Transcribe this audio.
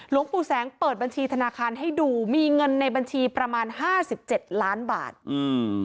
หลวงปู่แสงเปิดบัญชีธนาคารให้ดูมีเงินในบัญชีประมาณห้าสิบเจ็ดล้านบาทอืม